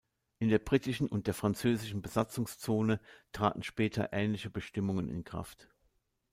In der britischen und der französischen Besatzungszone traten später ähnliche Bestimmungen in Kraft.